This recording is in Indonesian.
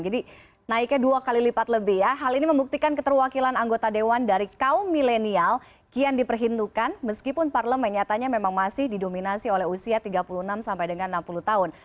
jadi naiknya dua kali lipat lebih ya hal ini membuktikan keterwakilan anggota dewan dari kaum milenial kian diperhindukan meskipun parlemen nyatanya memang masih didominasi oleh usia tiga puluh enam enam puluh tahun